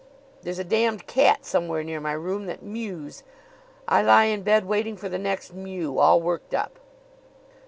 There's a damned cat somewhere near my room that mews. I lie in bed waiting for the next mew, all worked up.